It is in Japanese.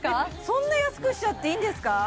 そんな安くしちゃっていいんですか？